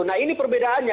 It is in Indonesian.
nah ini perbedaannya